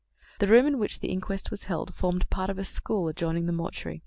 The room in which the inquest was held formed part of a school adjoining the mortuary.